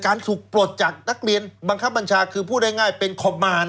ถูกปลดจากนักเรียนบังคับบัญชาคือพูดง่ายเป็นคอมมาร